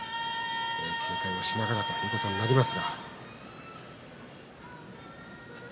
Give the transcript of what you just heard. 警戒をしながらということになります。